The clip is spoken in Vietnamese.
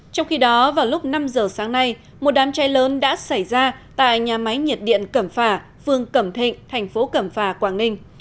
trong khi đó vào lúc năm giờ sáng nay một đám cháy lớn đã xảy ra tại nhà máy nhiệt điện cẩm phả phường cẩm thịnh thành phố cẩm phà quảng ninh